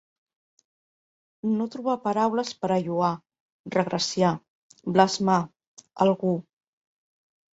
No trobar paraules per a lloar, regraciar, blasmar, algú.